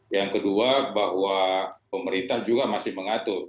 yang kedua bahwa pemerintah juga masih mengatur